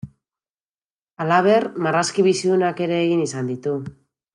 Halaber, marrazki bizidunak ere egin izan ditu.